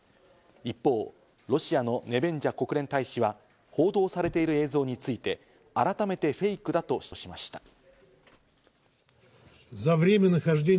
一方、ロシアのネベンジャ国連大使は報道されている映像について改めてフェイクだと主張しました。